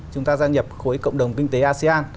chúng ta gia nhập khối cộng đồng kinh tế asean